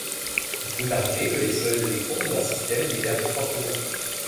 Il peut arriver que les soldes des comptes d'un système divergent fortement.